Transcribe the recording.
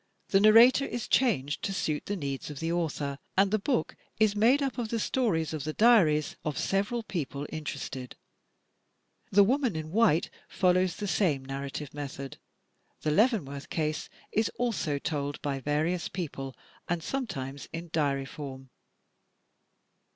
The narrator is changed to suit the needs of the author, and the book is made up of the stories of the diaries of several people interested; "The Woman in White" follows the same nar rative method. "The Leavenworth Case" is also told by various people, and sometimes in diary form.